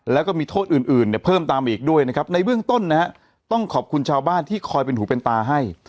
แล้วก็มีโทษอื่นเนี่ยเพิ่มตามอีกด้วยนะครับในเบื้องต้นนะฮะต้องขอบคุณชาวบ้านที่คอยเป็นหูเป็นตาให้